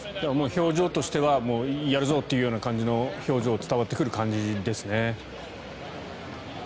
表情としてはやるぞっていう感じの表情が伝わってくる感じですね。